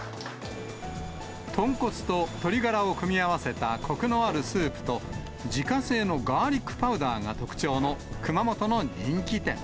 豚骨と鶏ガラを組み合わせたこくのあるスープと、自家製のガーリックパウダーが特徴の熊本の人気店。